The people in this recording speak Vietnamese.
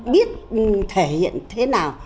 biết thể hiện thế nào